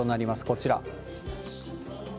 こちら。